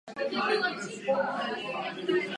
Dnes před vámi stojí ten úspěšnější z nich.